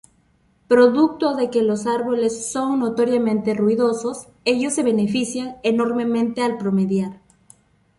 Producto de que los árboles son notoriamente ruidosos, ellos se benefician enormemente al promediar.